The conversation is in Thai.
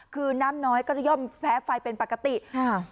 คือน้ำน้อยก็จะย่อมแพ้ไฟเป็นปกติค่ะ